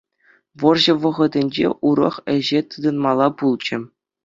Вӑрҫӑ вӑхӑтӗнче урӑх ӗҫе тытӑнмалла пулчӗ.